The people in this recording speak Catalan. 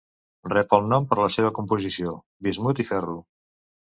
Rep el nom per la seva composició: bismut i ferro.